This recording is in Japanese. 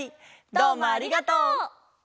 どうもありがとう！